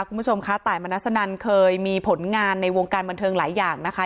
คุณผู้ชมคะตายมนัสนันเคยมีผลงานในวงการบันเทิงหลายอย่างนะคะ